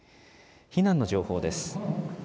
避難の情報です。